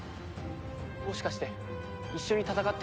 もしかして一緒に戦ってくれる気に。